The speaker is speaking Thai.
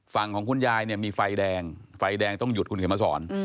ฝั่งของคุณยายมีไฟแดงไฟแดงต้องหยุดคุณเขมาสอน